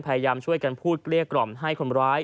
พยายามช่วยกันพูดเกลี้ยกล่อมให้คนร้าย